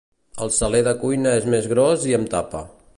El saler de cuina és més gros i amb tapa.